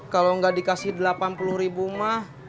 kalau nggak dikasih delapan puluh ribu mah